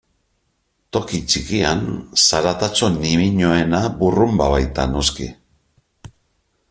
Toki txikian, zaratatxo ñimiñoena burrunba baita, noski.